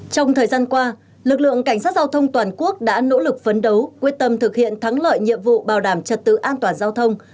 trong thời gian qua lực lượng cảnh sát giao thông toàn quốc đã nỗ lực phấn đấu quyết tâm thực hiện thắng lợi nhiệm vụ bảo đảm trật tự an toàn giao thông